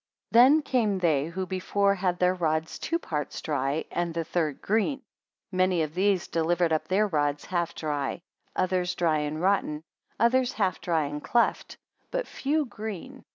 42 Then came they who before had their rods two parts dry and the third green; many of these delivered up their rods half dry, others dry and rotten; others half dry and cleft: but few green.